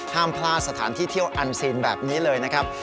ห้ามพลาดสถานที่เที่ยวอันซีนแบบนี้เลยนะครับ